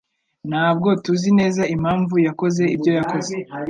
Ntabwo tuzi neza impamvu yakoze ibyo yakoze.